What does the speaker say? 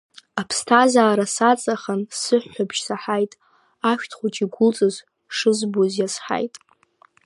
Аԥсҭазаара саҵахан сыҳәҳәабжь саҳаит, ашәҭ хәыҷ игәылҵыз шызбоз иазҳаит.